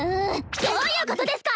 どういうことですか？